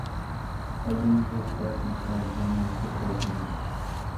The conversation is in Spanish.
Hoy en día esta central ya no está trabajando.